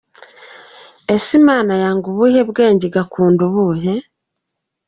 Ese Imana yanga ubuhe bwenge igakunda ubuhe ?.